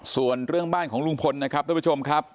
ส่วนเรื่องบ้านของลุงพลนะครับทุกผู้ชมครับ